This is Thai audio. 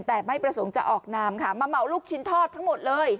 แต่ไม่ประสงค์จะออกนามค่ะมาเหมาลูกชิ้นทอดทั้งหมดเลย